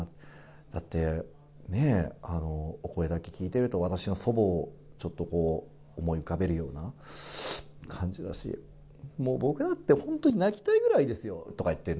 だってね、お声だけ聞いてると、私の祖母をちょっと思い浮かべるような感じだし、もう僕だって、本当に泣きたいくらいですよとか言って、